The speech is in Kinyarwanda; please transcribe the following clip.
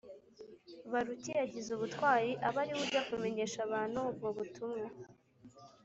Baruki yagize ubutwari aba ari we ujya kumenyesha abantu ubwo butumwa